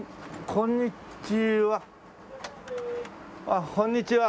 あっこんにちは。